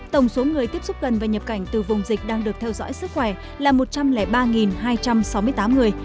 tổng số người tiếp xúc gần và nhập cảnh từ vùng dịch đang được theo dõi sức khỏe là một trăm linh ba hai trăm sáu mươi tám người